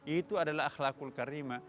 itu adalah akhlakul karima